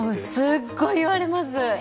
すっごい言われます。